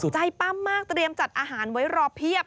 ปั้มมากเตรียมจัดอาหารไว้รอเพียบ